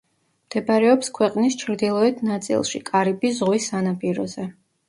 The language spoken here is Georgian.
მდებარეობს ქვეყნის ჩრდილოეთ ნაწილში, კარიბის ზღვის სანაპიროზე.